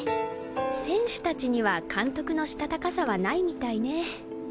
選手達には監督の強かさはないみたいね。